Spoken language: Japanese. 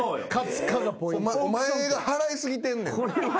お前が払い過ぎてんねん。